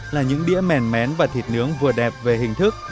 là những đĩa mèn mén và thịt nướng vừa đẹp về hình thức